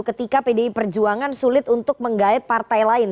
ketika pdi perjuangan sulit untuk menggait partai lain